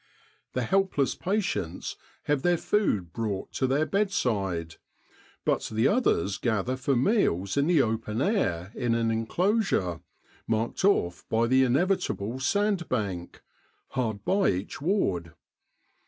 The helpless patients have their food brought to their bedside, but the others gather for meals in the open air in an enclosure, marked off by the inevitable sand bank, hard by each ward.